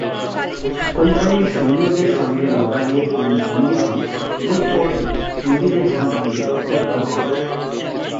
কোম্পানির সৈন্যদের সঙ্গে লড়াইয়ে তিনি বন্দী হন এবং পরে নদীতে ঝাঁপ দিয়ে আত্মহত্যা করেন।